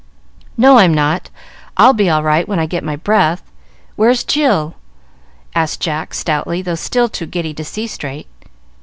"No, I'm not. I'll be all right when I get my breath. Where's Jill?" asked Jack, stoutly, though still too giddy to see straight.